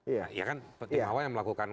ya kan timawar yang melakukan